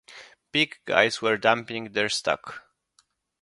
Big guys were dumping their stock.